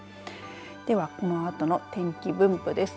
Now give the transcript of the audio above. ではこのあとの天気分布です。